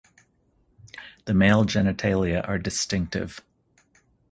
The male genitalia are distinctive.